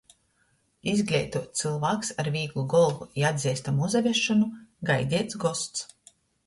Izgleituots cylvāks ar vīglu golvu i atzeistamu uzavesšonu – gaideits gosts.